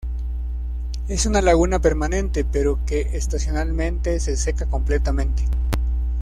Es una laguna permanente, pero que estacionalmente se seca completamente.